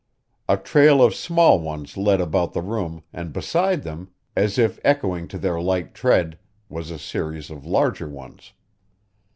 A trail of small ones led about the room and beside them, as if echoing to their light tread, was a series of larger ones.